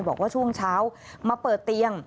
บอกว่าช่วงเช้ามาเปิดเตียง